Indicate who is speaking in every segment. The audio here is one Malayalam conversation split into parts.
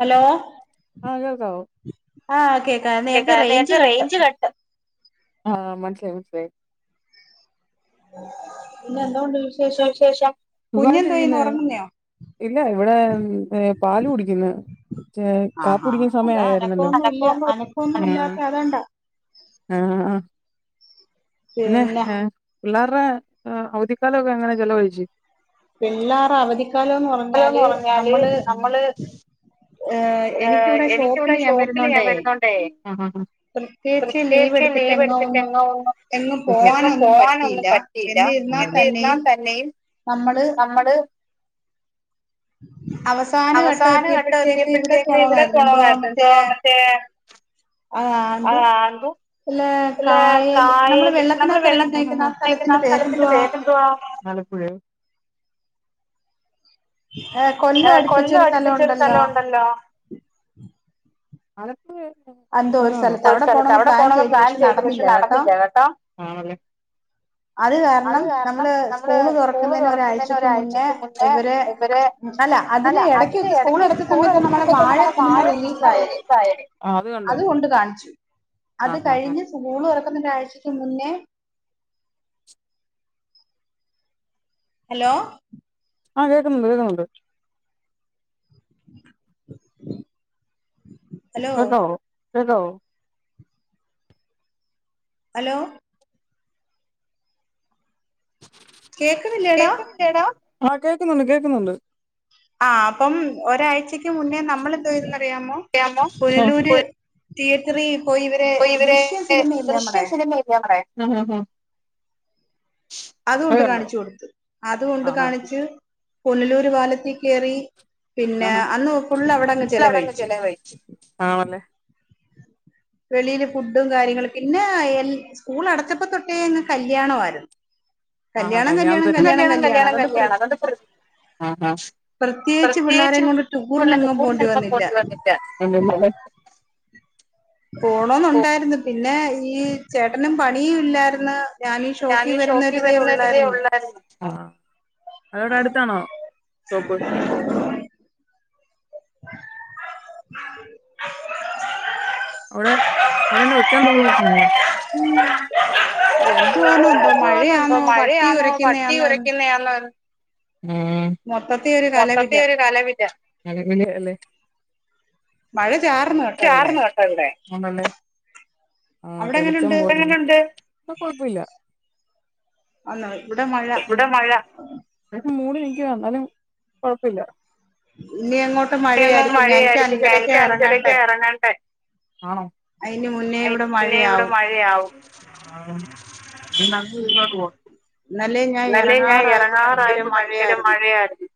Speaker 1: ഹലോ
Speaker 2: ആ കേൾക്കാവോ കേൾക്കാം എന്തോ റേഞ്ച് കട്ട് ആഹ മനസ്സിലായി മനസ്സിലായി.
Speaker 1: ഇന്നെന്തോണ്ട് വിശേഷം കുഞ്ഞന്തായി ഉറങ്ങുന്നോ.
Speaker 2: ഇല്ല ഇവിടെ പാല് കുടിക്കുന്നു കാപ്പ് കുടിക്കുന്ന സമയയാരുന്നല്ലോ.
Speaker 1: അന കൊന്നും ഇല്ലാത്ത അതണ്ടാ.
Speaker 2: ആഹ പിന്നെ ഏ പിള്ളേരുടെ അവധിക്കാലൊക്കെ അങ്ങനെ ചെലവഴിച്ചു.
Speaker 1: പിള്ളേർ അവധി..
Speaker 2: ലന്ന് ഉറങ്ങിയാല് നമ്മള്. ഏ എനിക്കിവിടെ ഷോപ്പില് ഞാൻ വരുന്നുണ്ടേ. പ്രത്യേകിച്ച്ലീവ് എടുത്തിട്ട് എങ്ങോ.. എങ്ങും പോകാനൊന്നും പറ്റിയില്ല എന്നിരുന്നാ തന്നെയും നമ്മള് അവസാനഘട്ടം എത്തിയപ്പഴ്ത്തെക്ക് ഇവിടെ കോളമായിരുന്നുന്തോ മറ്റേ ആഹ് അതും
Speaker 1: കായൽ നമ്മള് വെള്ളത്തിനകത്ത്റങ്ങി നയിക്കുന്ന ആ സ്ഥലത്തിന്റെ പേരെന്തുവാ? [inaudible] ഏ കൊല്ലം അടുപ്പിച്ചൊരു സ്ഥലംഉണ്ടല്ലോ.
Speaker 2: അനക്ക്
Speaker 1: എന്തോ ഒരു സ്ഥലത്ത് അവിടെ പോണന്ന് പ്ലാൻ ചെയ്ത് പക്ഷെ നടന്നില്ല കേട്ടൊ. അത് കാരണം നമ്മള് സ്കൂള് തുറക്കുന്നതിന് ഒരാഴ്ചക്ക് മുന്നേ ഇവരെ അല്ല അതിന് ഇടക്ക് വെച്ച് സ്കൂൾ എടത്ത സമയത്ത് നമ്മെ വാഴ സിനിമ റിലീസ് ആയത്. അത് കൊണ്ട് കാണിച്ചു അത് കഴിഞ്ഞ് സകൂള് തൊ ഒരാഴ്ചക്ക് മുന്നേ ഹലോ?
Speaker 2: ആഹ് കേൾക്കുന്നുണ്ട് കേക്കുന്നുണ്ട്.
Speaker 1: ഹലോ?
Speaker 2: കേക്കാവോ?
Speaker 1: ഹലോ? കേക്കുന്നില്ലേടാ.
Speaker 2: ആഹ് കേക്കുന്നുണ്ട്. കേക്കുന്നുണ്ട്.
Speaker 1: ആ അപ്പം ഒരാഴ്ചക്ക് മുന്നേ നമ്മള് എന്തയിതെന്നറിയാമോ പുനലൂര് തിയേറ്ററി പോയി ഇവരെ ദൃശ്യം സിനിമയില്ലേമ്മടെ അതുകൊണ്ട് കാണിച്ചു കൊടുത്ത് അതുകൊണ്ട് കാണിച്ച് പുനലൂര് പാലത്തേ കെറി. പിന്നെ അന്ന് ഫുള്ളവിടങ്ങ് ചെിലവഴിച്ചു. വെളിൽ ഫുഡും കാര്യങ്ങള പിന്നെ എ സ്കൂൾ അടച്ചപ്പോ തൊട്ടേ അങ്ങ് കല്യാണയിരുന്നു.
Speaker 2: ആഹ കല്യാ കല്യാണം കല്യാണം കല്യാണം അതോണ്ട് പ്രത്യേകിച്ച് ടൂറിനൊന്നും പോവെണ്ടി വന്നില്ല.
Speaker 1: ഉം പോണന്നുണ്ടായിരുന്നു പിന്നെ ഈ ചേട്ടനും പണിയും ഇല്ലാര്ന്ന്
Speaker 2: ഞാനീ ഷോപ്പിൽ വരുന്നരുതേ ഒള്ളായിരുന്നു. അതവിടെ അടുത്താണോ ഷോപ്പ്?
Speaker 1: [inaudible]
Speaker 2: അവിടെ അവിടെല്ല ഒച്ചേ ബഹ [unintelligible] അത്ന്നന്തോ മഴയാണോ പട്ടികുരയ്ക്കുന്ന ആണോ
Speaker 1: മൊത്ത
Speaker 2: മൊത്തത്തി ഒരു കലപില. റിനോട്ടല്ലേ നമ്മള് [unintelligible] ആഹ് തെളിച്ച പോ ഇപ്പ കൊഴപ്പില്ല.
Speaker 1: അല്ല
Speaker 2: ഇവിടെ മഴ മൂടി നിക്കുവാന്നാലും കൊഴപ്പില്ല. മഴയായിരിക്കും ഞ എനിക്ക് അഞ്ചരൊക്കെ ഇറങ്ങണ്ടേ ആണോ അന്നെ ഇവിടെ മഴയാവും. ആ ന ഇുന്നോട്ട് പോ [unintelligible] എന്നല്ലേ ഞാൻ എറങ്ങാറായപ്പോ ഭയങ്കര മഴയായിരുന്നു.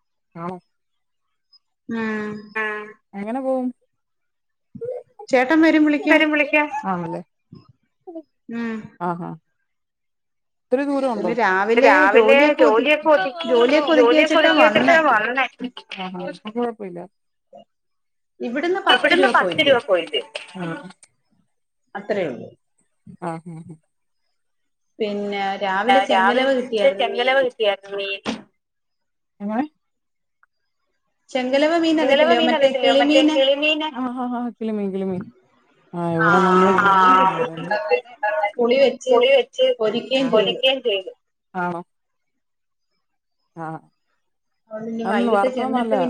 Speaker 1: മ്മ്
Speaker 2: എങ്ങനെ പോവും വരും വിളിക്കാൻ. ആണല്ലേ. ആഹ് ആഹ് ഒത്തിരി ദൂരണ്ടോ രാവിലെ ജോലിയൊക്കെ ഒതുക്കി ജോലിയൊക്കെ ഒതുക്കി വെച്ചിട്ട വന്നേ. ആഹ എന്ന കൊഴപോല്ല. ഇവിടന്ന് പത്ത് രൂപ പോയിന്റ്. ആഹ് ഹഹ
Speaker 1: പിന്നെ
Speaker 2: ആ രാവിലെ ചെങ്കലവ കിട്ടിയാ രുന്നു ചെങ്കലവ മീനറിയത്തില്ലിയോ മറ്റേ കിളിമീനെ ആ ആ കിളിമീൻ കിളി മീൻ ആ ഇവിടെ നമ്മളെ പുളി വെച്ചെ പോരുക്കി ആണോ ആ അന്നു വറുത്തതെ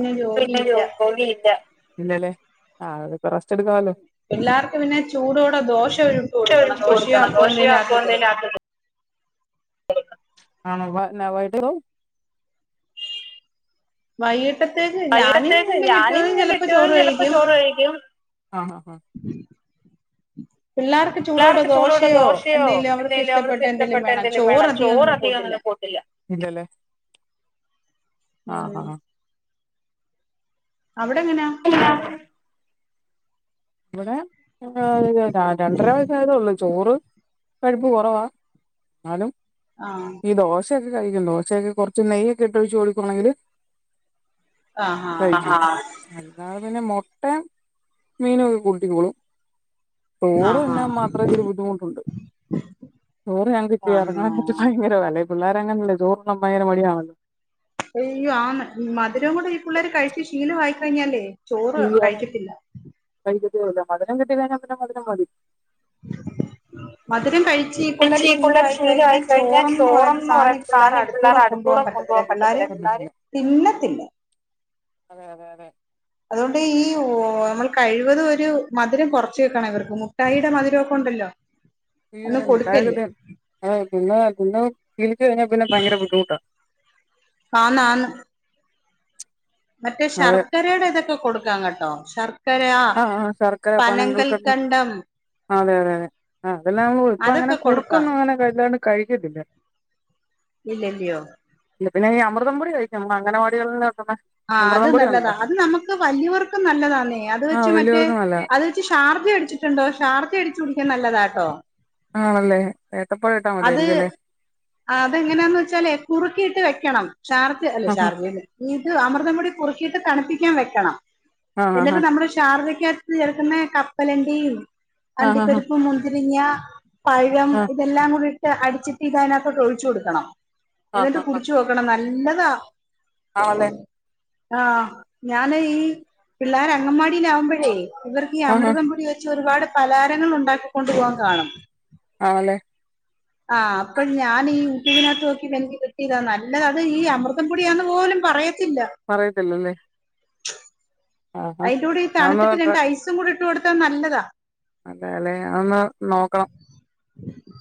Speaker 2: നല്ലാ
Speaker 1: ഉ എല്ലാർക്കെ പിന്നെ ചൂടോടെ ദോശ ഉഴപ്പ് കൊടുക്കണം ദോശയോ അപ്പോ എന്തേിലും ആത്
Speaker 2: [unintelligible] ആ വായിട്ട [unintelligible]
Speaker 1: വയ്യിട്ടെ
Speaker 2: വയ്യിട്ടത്തേക്കെ ഞാനും ന്റെ കെട്ടിയോനും ചിലപ്പം ചോറ് കഴിക്കും ആ ആ ആ പിള്ളേർക്ക് ചൂടോടെ ദോശയോ എന്തെങ്കിലും അവർക്ക് ഇഷ്ടപ്പെട്ട എന്തെങ്കിലും വേണം ചോറധികം ട്ട ഇല്ലല്ലേ [unintelligible]
Speaker 1: [inaudible]
Speaker 2: ആ ആ
Speaker 1: അവിടെങ്ങനാ
Speaker 2: ഇവിടെ ആ രണ്ടര വയസായ തേ ഉള്ളൂ ചോറ് കഴിപ്പു കൊറവാ എന്നാലും
Speaker 1: ആ
Speaker 2: മുട്ടേക്കേ കഴിക്കുന്നോ കുറച്ച് നെയ്യൊക്കെ ഇട്ട് ഒഴിച്ചു കൊടു ക്കുവാണെങ്കിലെ കഴിക്കുംഅല്ലാതെ പിന്നെ മൊട്ടേ മീനൊക്കെ കൂട്ടിക്കോളും ചോറ് തി ന്നാൽ മാത്രം ഇച്ചിരി ബുദ്ധിമുട്ടുണ്ട് ചോറ് ഞങ്ങക്കിച്ചിരി ഇറങ്ങാനൊക്കെ ഭയങ്കര വില പിള്ളാരങ്ങനല്ലേ ചോറുണ്ണാൻ ഭയങ്കര മടിയാണല്ലോ
Speaker 1: അയ്യോ ആന്നു മധുരോം കൂടെ ഈ പിള്ളേരെ കഴിച്ചു ശീലവായി കഴിഞ്ഞാലേ ചോറ് കഴിക്കത്തില്ല
Speaker 2: മധുരം കിട്ടിക്കഴിഞ്ഞാ പിന്നെ മധുരം മതി
Speaker 1: ആ [unintelligible] മധുരം കഴിച്ചീപിള്ളേരെ ശീലായി കഴിഞ്ഞാൽ ചോറെന്നു പറയുന്ന സാധനം ഈ പിള്ളേരുടെ അടുത്തൂടെ കൊണ്ടപോകാൻ പറ്റത്തില്ല
Speaker 2: പോകാൻ പറ്റത്തില്ല പിള്ളേരെ
Speaker 1: തിന്നത്തില്ല
Speaker 2: അതെ അതെ അതെ
Speaker 1: അതുകൊണ്ട് ഈ ഓ നമ്മൾ കഴിവതും ഒരു മധുരം കൊറച്ചെ വെക്കണം ഇവർക്ക് മുഠായിയുടെ മധുരമൊക്കെ ഉണ്ടല്ലോ ആ
Speaker 2: ഈ മുട്ടായിയൊക്കെ പിള്ളേരെ ശീലിച്ചു കഴിഞ്ഞാൽ പിന്നെ ഭയങ്കര ബുദ്ധിമുട്ടാ
Speaker 1: ആന്നാന്നു മറ്റേ ശർക്കരയുടെ ഇതൊക്കെ കൊടുക്കാം കേട്ടോ ശർ
Speaker 2: ആ ആ ശർക്കര പനകൽക്കണ്ടം അതെ അതെ അതെ ആ അതെല്ലാം ഇപ്പ അങ്ങനെ കുറുക്കൊന്നും അങ്ങനെ കല്ലാണ്ട് കഴിക്കത്തില്ല
Speaker 1: ഇല്ല ഇല്ലയോ
Speaker 2: പിന്നെ ഈ അമൃതം പൊടി കഴിക്കും അംഗനവാടികൾ
Speaker 1: ആ അത് നല്ലതാ അത് നമുക്ക് വലിയവർക്കും നല്ലതാന്നേ അത് വെച്ച് മറ്റേ അത് വെച്ച് ഷാർജ അടിച്ചിട്ടുണ്ടോ ഷാർജ അടിച്ചു കുടിക്കാൻ നല്ലതാട്ടോ
Speaker 2: ആണല്ലേ
Speaker 1: അത് അതെങ്ങനാന്ന് വെച്ചാലേ കുറുക്കിയിട്ട് വെയ്ക്കണം ഷാർജ് അല്ല ഷാർജേന്നെ ഇത് അമൃതം പൊടി കുറുക്കിയിട്ട് ത ണുപ്പിക്കാൻ വെയ്ക്കണം എന്നിട്ട് നമ്മളെ ഷാർജയ്ക്കകത്ത് ചേർക്കുന്ന കപ്പലണ്ടീം അണ്ടി പരിപ്പ് മുന്തിരിങ്ങ പഴം ഇതെല്ലാം കൂടിയിട്ട് അടിച്ചിട്ട് ഇതെ അതിനാത്തോട്ടെ ഒഴിച്ചു കൊടുക്കണം എന്നിട്ട് കുടിച്ചു നോ ക്കണം നല്ല നല്ലതാ.
Speaker 2: ആണല്ലേ?
Speaker 1: ആഹ് ഞാന് ഈ പിള്ളേർ അങ്ങമാടിയിലാവുമ്പോഴേ. ഇവർക്ക് ഈ അമൃതംപൊടി വെച്ച് ഒരുപാട് പലാരങ്ങൾ ഉണ്ടാക്കി കൊണ്ട് പോകാൻ കാണും.
Speaker 2: ആല്ലേ.
Speaker 1: ആ അപ്പഴ ഞാനി- ഇവിനകത്ത് നോക്കിപ്പോ എനിക്ക് കിട്ടിയതാ നല്ലത് ഈ അമൃതം പൊടിയന്ന് പോലും പറയ-
Speaker 2: പറയതല്ലോല്ലേ.
Speaker 1: അതിന്റെ കൂടെ ഈ തണുത്തിട്ട് രണ്ട് ഐസും കൂടി ഇട്ട് കൊടുത്താ നല്ലതാ.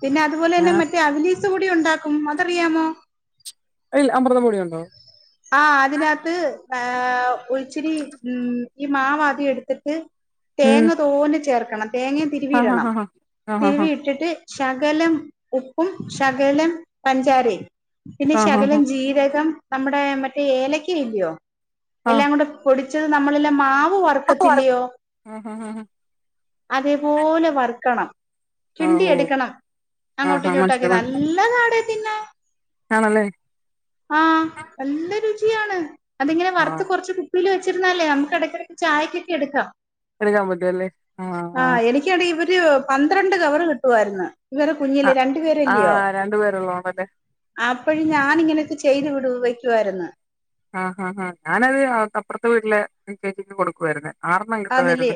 Speaker 1: പിന്നെ അതുപോലെ തന്നെ മറ്റേ അവി - കൂടി ഉണ്ടാക്കും അതറിയാമോ?
Speaker 2: ഇല്ല അമൃത പൊടി കൊണ്ടോ?
Speaker 1: ആ അതിനകത്ത് ഒച്ചിരി ഉ ഈ മാവാദ്യം എടുത്തിട്ട്. തേങ്ങ തോന ചേർക്കണം തേങ്ങയും തിരുവി ഇടണം തിരുവി ഇട്ടിട്ട്- ശകലം ഉപ്പും ശകലം പഞ്ചാരയും- പിന്നെ ശകലം ജീരകം നമ്മുടെ മറ്റേ ഏലക്ക ഇല്ലയോ- എല്ലാം കൂടെ പൊടിച് നമ്മളെല്ലാം മാ- വർക്കത്തില്ലയോ അതേപോലെ വർക്കണം. കിണ്ടി എടുക്കണം അങ്ങോട്ടും ഇങ്ങോട്ടക്കെ നല്ല നാട. ആഹ് നല്ല രുചിയാണ്. അതിങ്ങനെ വറുത്ത് കുറച്ച് കുപ്പിൽ വെച്ചിരുന്നാലല്ലേ നമുക്കി ടക്കിടയ്ക്ക് ചായയ്ക്കൊക്കെ എടുക്കാം. ആ എനിക്കടെ ഇവര് പന്ത്രണ്ട് കവറ് കിട്ടുായിരുന്നു. വേറെ കുഞ്ഞില്ലേ രണ്ടു പേരല്ലയോ അപ്പോഴും ഞാാനിങ്ങനെയൊക്കെ ചെയ്ത്. വയ്ക്കുായിരുന്നു.
Speaker 2: ആഹ് ഹാ ഹാ ഞാനത് അപ്പുറത്തെ വീട്ടില് ചേച്ചിക്ക് കൊടുക്കുവായിരുന്ന്.
Speaker 1: ആന്നല്ലേ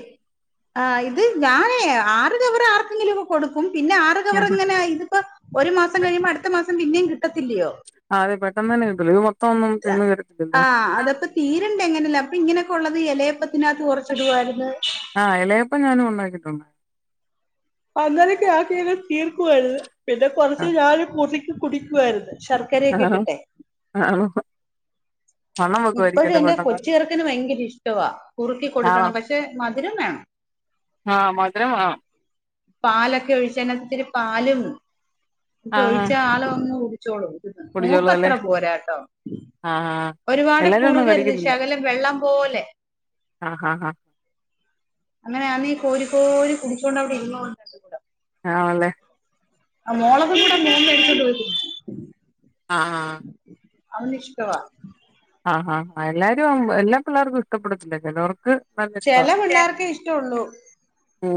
Speaker 1: ആ് ഇത് ഞാനേ ആര കവർ ആർക്കെങ്കിലുമ ഒക്ക കൊടുക്ക- ക്കും പിന്നെ ആർ കവർ ഇങ്ങനെ ഇതിപ്പോ ഒരു മാസം കഴിയുമ്പോ അടുത്ത മാസം പിന്നേും കിട്ടും.
Speaker 2: ആ അതെ പെട്ടെന്ന് തന്നെ കേട്ടു-
Speaker 1: ആ അതപ്പ തീരുണ്ട എങ്ങനെയല്ലം. അപ്പൊ ഇങ്ങനൊക്കെ ഉള്ളത് ഇലയപ്പത്തിനകത്ത് കുറച്ചിടുായിരുന്നു.
Speaker 2: ആഹ് ഇളയപ്പം ഞാനും ഉണ്ടാക്കിട്ടുണ്ട്.
Speaker 1: അന്നേരൊക്കെ ആക്കിും തീർക്കുവല്ല പിന്നെ കൊറച്ച് ഞാനും കുറുക്കി കുടിക്കുവായിുന്ന ശർക്കരയക്കെ ഇട്ടിട്ടെ. ഇപ്പഴും എൻ്റെ കൊച്ചു ചെറുക്കൻ ഭയങ്കര ഇഷ്ടവാ കുറുക്കി കൊടുക്കണം പക്ഷെ മധുരം വേണം. മ്
Speaker 2: ആഹ മാധുരം ആ.
Speaker 1: പാലൊക്കെ ഒഴിച്ച ഒത്തിരി പാലന്ന് ഒഴിച്ച ആൾ ഒന്ന് ചോളും മോക്ക്ത്ര പോരാട്ടോ. ഒരുപാട് കുറുകരുത് ശകലം വെള്ളം പോലെ. അങ്ങനെയാന്നേ കോരി കോരി കുടിച്ചോണ്ട് അവിടെ ഇരുന്നോളും രണ്ടും കൂടെ.
Speaker 2: ആണ്
Speaker 1: ആ മോളകും കൂടെ മൂന്ന് പേർക്ക് -
Speaker 2: ആഹ ആഹ്
Speaker 1: അവനിഷ്ടവാ.
Speaker 2: ആഹാ ഹാം എല്ലാരും എല്ലാ പിള്ളേർക്കും ഇഷ്ടപ്പെടത്തില്ല ചിലർക്ക്.
Speaker 1: ചെല പിള്ളേർക്കേ ഇഷ്ടള്ളു.
Speaker 2: മ്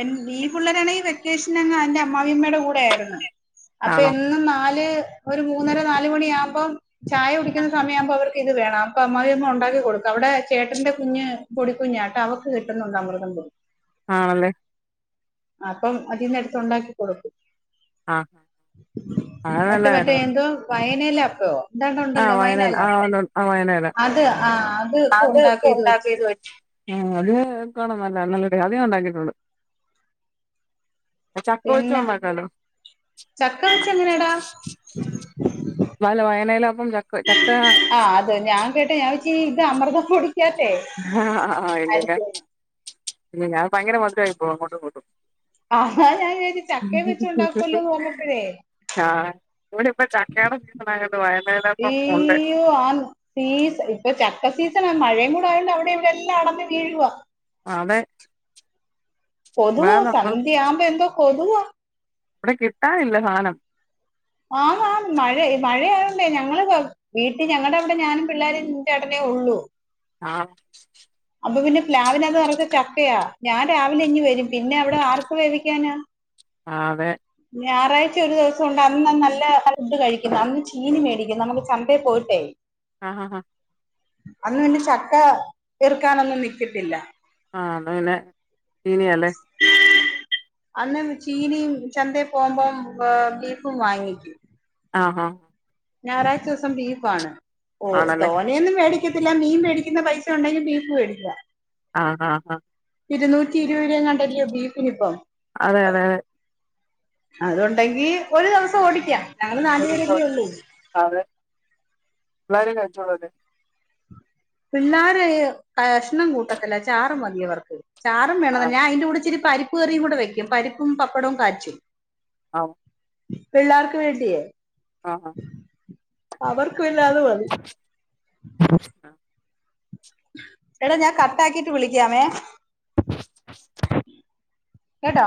Speaker 1: എ ഈ പിള്ളരാണെങ്കിൽ വെക്കേഷൻ അങ് എന്റെ അമമാവിമ്മയുടെ കൂടെയായിരുന്നു അപ്പൊ എന്നും നാല് ഒരു മൂന്നര നാല് മണിയാാവുമ്പം ചായ കുടിക്കുന്ന സമയ ആവുമ്പോ അവർക്ക്. ഇത് വേണം അപ്പൊ അമമാവമ്മ ഉണ്ടാക്കി കൊടുക്കും അവിടെ ചേട്ടന്റെ കുഞ്ഞ് പൊടിക്കുഞ്ഞാട്ടെ അവക്ക് കിട്ടുന്നുണ്ട് അമൃതം പൊടി.
Speaker 2: ആണല്ലേ
Speaker 1: അപ്പം അതിന്ന് എടുത്ത് ഉണ്ടാക്കി കൊടുക്കും ട്ട് മറ്റേ എന്തോ വയനെല്ലെ അപ്പോ
Speaker 2: അഹ് വയനൽ ആ ഉണ് അഹ് വയനൽ അഹ് അത് കാണും നല്ല നല്ലട അത് ഞാൻ ഉണ്ടാക്കിട്ടുണ്ട് ചക്ക പൊരിച്ച നനക്കാലോ വല്ല വയനയില അപ്പം ചക്ക ചക്ക
Speaker 1: ഇ അമൃത പൊടി
Speaker 2: ആഹ് ഇല്ലല്ല ഇല്ലല്ല ഞാൻ ഭയങ്കര മോശായി പോകും അങ്ങോട്ടും ഇങ്ങോട്ടും
Speaker 1: അഹ് ഞാൻ വിചാരിച്ച ചക്കയും വെച്ചു ഉണ്ടാക്കല്ലോന്ന് പറഞ്ഞപ്പോഴേ
Speaker 2: ആ ഇവിടെ ഇപ്പൊ ചക്കയുടെ സീസോണയാതുണ്ട് വയനെടപ്പം ഉണ്ട്
Speaker 1: ഇപ്പൊ ചക്ക സീസണ് മഴയും കൂടെ ആയൊണ്ട് അവിടെ ഇവിടെ എല്ലാം ആടാന് വീഴുവാ
Speaker 2: അതെ
Speaker 1: കൊതുവ സന്ധ്യയാവുമ്പോ എന്ത കൊതുവ
Speaker 2: ഇവിടെ കിട്ടാനില്ല സാനം
Speaker 1: ആ ആ മഴ മഴആയോണ്ട് ഞങ്ങള് വീട്ടിൽ ഞങ്ങളുടെ അവിടെ ഞാനും പിള്ളോരു എൻ്റെ ഏട്ടനും ഒള്ളൂ
Speaker 2: ആഹ്
Speaker 1: അപ്പോ പിന്നെ പ്ലാവിൻ അത് നിറച് ചക്കയാ ഞാൻ രാവിലെ ഇങ് വരും പിന്നെ അവിടെ ആർക്ക് വേവിക്കാനാ
Speaker 2: ആതെ
Speaker 1: ഞായറാഴ്ച ഒരു ദിവസം ഉണ്ട് ന്ന് നല്ല ഫുഡ് കഴിക്കും അന്ന് ചീന് മേടിക്കും നമ്മുക്ക് ചന്തെ പോയിട്ടേ
Speaker 2: ആഹഹ
Speaker 1: അന്ന് പിന്നെ ചക്ക ഇറക്കാനൊന്നും നിട്ടിട്ടില്ല
Speaker 2: അഹ് അത് പിന്നെ തീനിയല്ലേ
Speaker 1: അന്ന് ചീനിയും ചന്തെ പോമ്പോം ബീഫും വാങ്ങിക്കും
Speaker 2: ആഹാ
Speaker 1: ഞായറാഴ്ച ദിവസം ബീഫാണ് ഓ തോനെനുംന്നും മേടിക്കതില്ല മീൻ മേടിക്കുന്ന പൈസ ഉണ്ടെങ്കിൽ ബീഫ് മേടിക്ക
Speaker 2: ആഹ് ആഹ് ആ
Speaker 1: ഇരുന്നൂറ്റി ഇരുപത് കണ്ടല്ലയോ ബീഫിന് ഇപ്പം
Speaker 2: അതെ അതെ
Speaker 1: അതൊണ്ടെങ്കി ഒരു ദിവസം ഓടിക്കാം ഞങൾ നാല് പേരല്ലേള്ളൂ
Speaker 2: [unintelligible]
Speaker 1: പിള്ളേരു കഷ്ണം കൂട്ടത്തില്ല ചാറു മതിയവർക്ക് ചാറും വേണം ഞാൻ അയിന്റെ കൂടെ ഇിച്ചിരി പരിപ്പ് കറിയും കൂടെ വെക്കും പരിപ്പും പപ്പടവും കാച്ചും
Speaker 2: ആ
Speaker 1: പിള്ളേർക്ക് വേണ്ടിയേ
Speaker 2: ആഹ
Speaker 1: അവർക്കുന്നത് മതി എടാ ഞാൻ കട്ടാക്കിട്ട് വിളിക്കാവേ കേട്ടോ